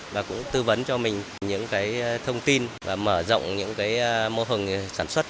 và cũng tư vấn cho mình những thông tin và mở rộng những mô hình sản xuất